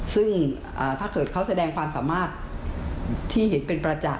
ซึ่งถ้าเกิดเขาแสดงความสามารถที่เห็นเป็นประจักษ